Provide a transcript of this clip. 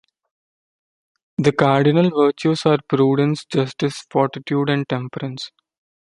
The cardinal virtues are prudence, justice, fortitude, and temperance.